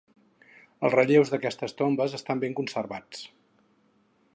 Els relleus d'aquestes tombes estan ben conservats.